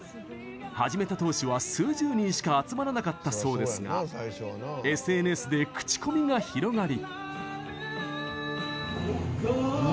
始めた当初は数十人しか集まらなかったそうですがＳＮＳで口コミが広がり。